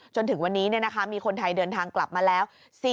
จนถึงวันนี้มีคนไทยเดินทางกลับมาแล้ว